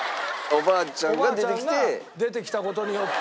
おばあちゃんが出てきた事によって。